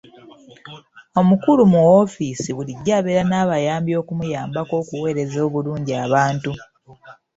Omukulu mu woofiisi bulijjo abeera n'abayambi okumuyambako okuweereza obulungi abantu.